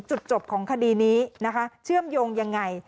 จุดจบของคดีนี้นะคะเชื่อมโยงยังไง